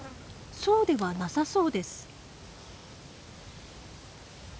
そうではなさそうです。